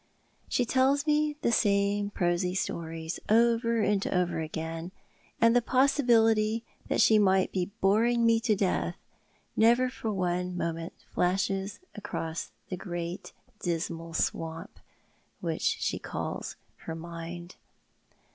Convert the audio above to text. She tells me the same prosy stories over and over again, and the possibility that she may be boring me to death never for one moment flashes across the great dismal swamp which she calls her mind.